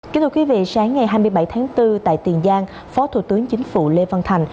kính thưa quý vị sáng ngày hai mươi bảy tháng bốn tại tiền giang phó thủ tướng chính phủ lê văn thành